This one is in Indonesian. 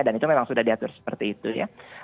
dan itu memang sudah diatur seperti itu ya